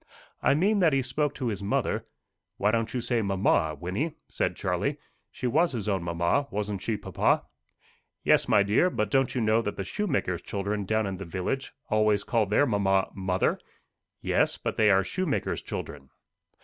"I mean that he spoke to his mother " "Why don't you say mamma, Wynnie?" said Charlie. "She was his own mamma, wasn't she, papa?" "Yes, my dear; but don't you know that the shoemaker's children down in the village always call their mamma mother?" "Yes; but they are shoemaker's children."